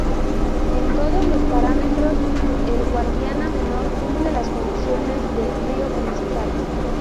En todos los parámetros, el Guadiana Menor cumple las condiciones de "río principal".